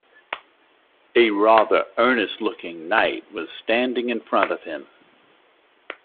A rather earnest looking knight was standing in front of him